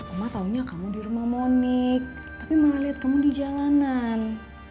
oma taunya kamu di rumah monique tapi malah liat kamu di jalanan